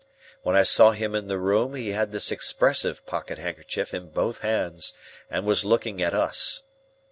When I saw him in the room he had this expressive pocket handkerchief in both hands, and was looking at us.